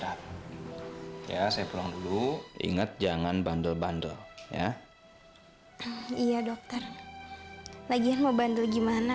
iya saya pulang dulu ingat jangan pantuan ya oh iya dokter lagi mau bandul gimana